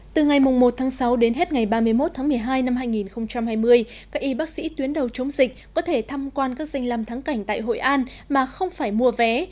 từ ngày một tháng sáu đến hết ngày ba mươi một tháng một mươi hai năm hai nghìn hai mươi các y bác sĩ tuyến đầu chống dịch có thể tham quan các danh làm thắng cảnh tại hội an mà không phải mua vé